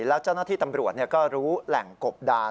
แล้วเจ้าหน้าที่ตำรวจก็รู้แหล่งกบดาน